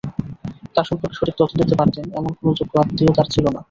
তাঁর সম্পর্কে সঠিক তথ্য দিতে পারতেন, এমন কোনো যোগ্য আত্মীয় তাঁর ছিল না।